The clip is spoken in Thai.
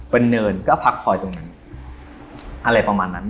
เป็นเนินก็พักคอยตรงนั้นอะไรประมาณนั้น